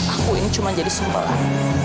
aku ini cuma jadi simbalan